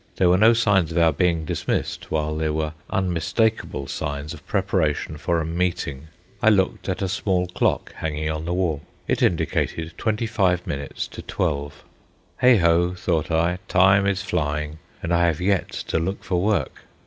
There were no signs of our being dismissed, while there were unmistakable signs of preparation for a meeting. I looked at a small clock hanging on the wall. It indicated twenty five minutes to twelve. Heigh ho, thought I, time is flying, and I have yet to look for work.